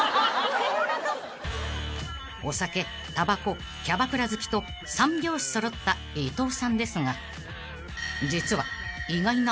［お酒たばこキャバクラ好きと３拍子揃った伊藤さんですが実は］